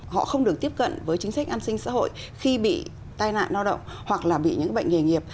họ không được tiếp cận với chính sách an sinh xã hội khi bị tai nạn lao động hoặc là bị những bệnh nghề nghiệp